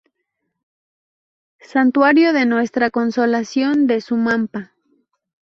Santuario de Nuestra Consolación de Sumampa.